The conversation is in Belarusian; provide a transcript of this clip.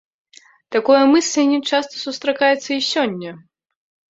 Такое мысленне часта сустракаецца і сёння.